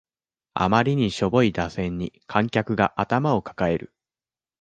あまりにしょぼい打線に観客が頭を抱える